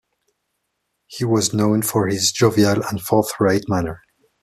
He was known for his jovial and forthright manner.